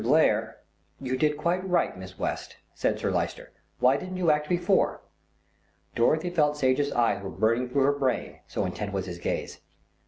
Blair " "You did quite right, Miss West," said Sir Lyster. "Why didn't you act before?" Dorothy felt Sage's eyes were burning through her brain, so intent was his gaze.